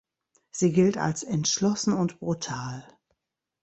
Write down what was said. Sie gilt als entschlossen und brutal.